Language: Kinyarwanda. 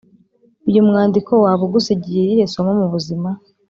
Uyu mwandiko waba ugusigiye irihe somo mu buzima?